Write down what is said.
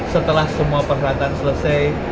setelah semua perhelatan selesai